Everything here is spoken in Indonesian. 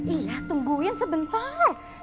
iya tungguin sebentar